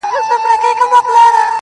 هېره مي يې,